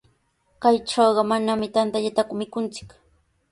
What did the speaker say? Kaytrawqa manami tantallataku mikunchik.